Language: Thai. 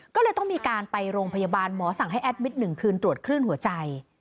ก็เลยต้องมีการไปโรงพยาบาลหมอสั่งให้แอดมิตร๑คืนตรวจคลื่นหัวใจ